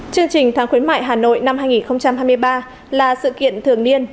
chương trình tháng khuyến mại hà nội năm hai nghìn hai mươi ba là sự kiện thường niên